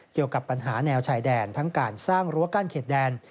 เกี่ยวกับปัญหาแนวชายแดนทั้งการสร้างรั้วกั้นเขตแดน